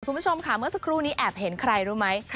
คุณผู้ชมค่ะเมื่อสักครู่นี้แอบเห็นใครรู้ไหม